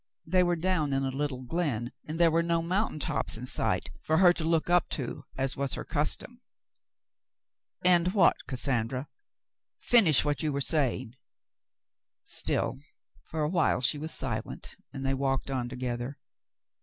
They were down in a little glen, and there were no mountain tops in sight for her to look up to as was her custom. *' And what, Cassandra l! Finish what you were saying." Still for a while she was silent, and they walked on together.